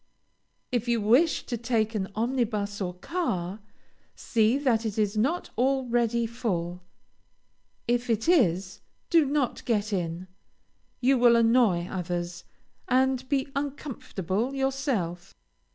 If you wish to take an omnibus or car, see that it is not already full. If it is, do not get in. You will annoy others, and be uncomfortable yourself.